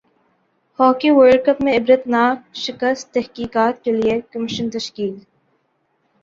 hockey world cup میں عبرتناک شکست تحقیقات کیلئے کمیشن تشکیل